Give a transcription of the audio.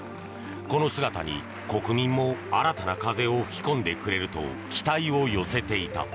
この姿に国民も新たな風を吹き込んでくれると期待を寄せていた。